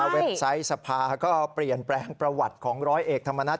ไซต์สภาก็เปลี่ยนแปลงประวัติของร้อยเอกธรรมนัฐ